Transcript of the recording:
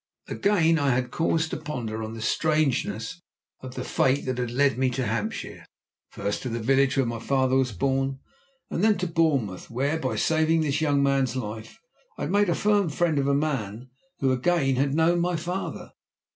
Again I had cause to ponder on the strangeness of the fate that had led me to Hampshire first to the village where my father was born, and then to Bournemouth, where by saving this young man's life I had made a firm friend of a man who again had known my father.